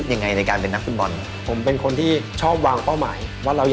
ตามนี้เลย